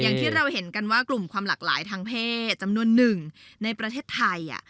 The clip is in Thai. อย่างที่เราเห็นกันว่ากลุ่มความหลากหลายทางเพศจำนวนหนึ่งในประเทศไทย